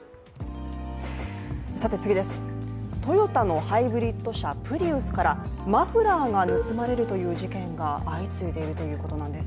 トヨタのハイブリッド車、プリウスからマフラーが盗まれるという事件が相次いでいるということなんです。